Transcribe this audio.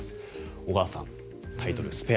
小川さん、タイトル「スペア」